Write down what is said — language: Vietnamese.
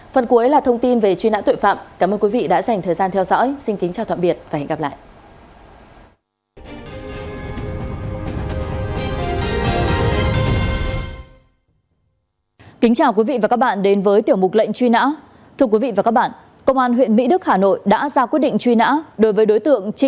phần cuối là thông tin về truy nãn tội phạm cảm ơn quý vị đã dành thời gian theo dõi